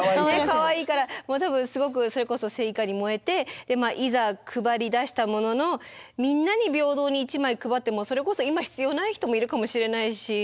かわいいから多分すごくそれこそ正義感に燃えていざ配りだしたもののみんなに平等に１枚配ってもそれこそ今必要ない人もいるかもしれないし。